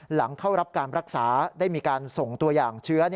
หลังเข้ารับการรักษาได้มีการส่งตัวอย่างเชื้อ